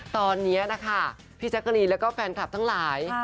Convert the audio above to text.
ตอนนี้นะคะพี่แจ๊กกะรีนแล้วก็แฟนคลับทั้งหลาย